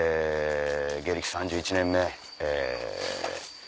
芸歴３１年目。